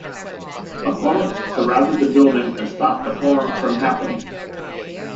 Opponents surrounded the building and stopped the forum from happening.